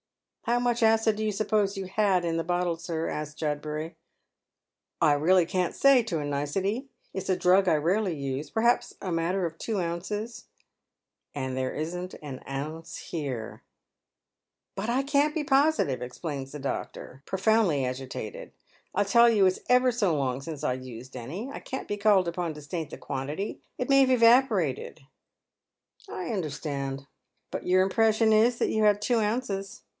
" How much acid do you suppose you had in the bottle, sir? * asks Judburj'. " I really can't say to a nicety — it's a drug I rarely use — per haps a matter of two ounces." " Ar.ti therp isn t an onno.© here.* 506 Dead Men's Shoes. "But I can't be positive," exclaims tlie doctor, profonndly agitated. "I tell you it's ever so long since I used any. I can't be called upon to state the quantity. It may have evaporated." " I understand. But your impression is that you had two ounces.